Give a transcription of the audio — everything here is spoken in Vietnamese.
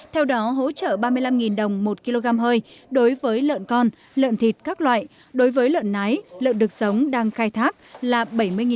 theo đó hỗ trợ ba mươi năm đồng một kg hơi đối với lợn con lợn thịt các loại đối với lợn nái lợn đực sống đang khai thác là bảy mươi đồng